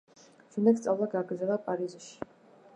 შემდეგ სწავლა გააგრძელა პარიზში.